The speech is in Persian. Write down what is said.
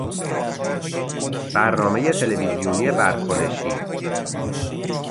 برنامهی تلویزیونی برکنشی